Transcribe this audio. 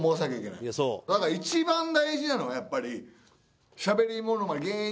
だから一番大事なのはやっぱりしゃべりモノマネ。